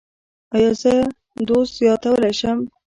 ایا زه دوز زیاتولی شم؟